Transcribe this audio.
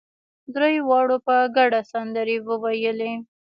درېواړو په ګډه سندرې وويلې.